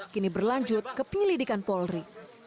kini berlanjut ke penyelidikan polri